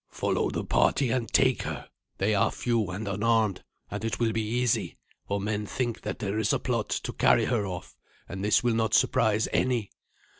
"Follow the party and take her. They are few and unarmed, and it will be easy, for men think that there is a plot to carry her off, and this will not surprise any.